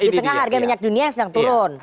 di tengah harga minyak dunia yang sedang turun